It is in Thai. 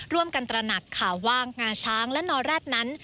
ตระหนักข่าวว่างาช้างและนอแร็ดนั้น